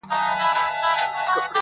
تنگ نظري نه کوم وخت راڅخه وخت اخيستی,